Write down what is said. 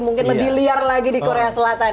mungkin lebih liar lagi di korea selatan